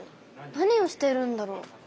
何をしているんだろう？